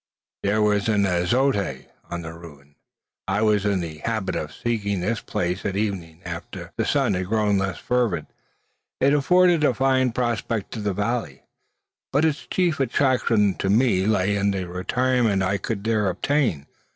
There was an azotea on the ruin. I was in the habit of seeking this place at evening after the sun had grown less fervid. It afforded a fine prospect of the valley; but its chief attraction to me lay in the retirement I could there obtain.